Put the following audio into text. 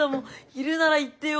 いるなら言ってよ。